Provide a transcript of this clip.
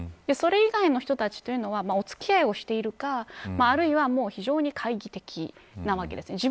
それ以外の人たちというのはお付き合いをしているかあるいは非常に懐疑的なわけです。